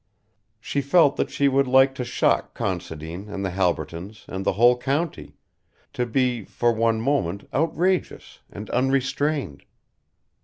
She felt that she would like to shock Considine and the Halbertons and the whole county, to be, for one moment, outrageous and unrestrained.